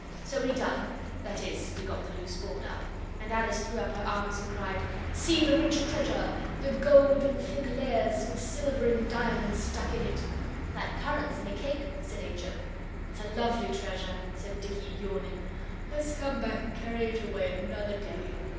So we dug that is, we got the loose board up. And Alice threw up her arms and cried 'See the rich treasure the gold in thick layers, with silver and diamonds stuck in it!' 'Like currants in cake,' said H. O. 'It's a lovely treasure,' said Dicky yawning. 'Let's come back and carry it away another day.